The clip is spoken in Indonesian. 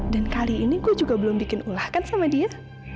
dan kali ini gue juga belum bikin ulahkan sama dia